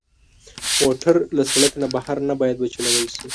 موټر له سړک نه بهر نه باید وچلول شي.